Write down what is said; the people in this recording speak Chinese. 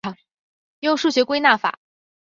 用数学归纳法。